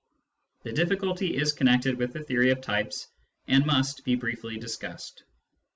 The difficulty is connected with the theory of types, and must be briefly discussed.